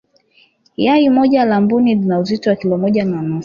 yai moja la mbuni lina uzito wa kilo moja na nusu